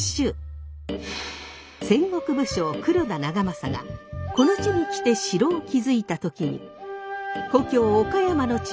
戦国武将黒田長政がこの地に来て城を築いた時に故郷岡山の地名